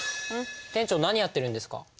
店長何やってるんですか？